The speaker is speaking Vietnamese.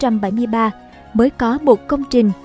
mới có một công trình